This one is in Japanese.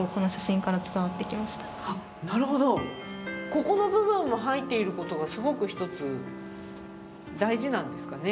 ここの部分が入っていることがすごく一つ大事なんですかね。